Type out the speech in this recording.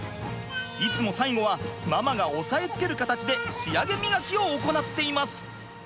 いつも最後はママが押さえつける形で仕上げみがきを行っています。